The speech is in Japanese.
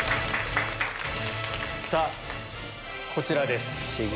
さぁこちらです。